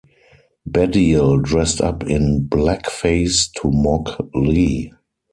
Baddiel dressed up in blackface to mock Lee.